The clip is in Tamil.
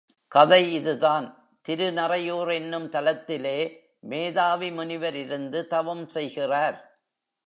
கதை இதுதான் திருநறையூர் என்னும் தலத்திலே மேதாவி முனிவர் இருந்து தவம் செய்கிறார்.